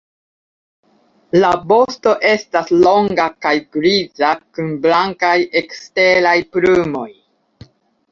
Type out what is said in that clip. La vosto estas longa kaj griza kun blankaj eksteraj plumoj.